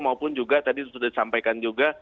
maupun juga tadi sudah disampaikan juga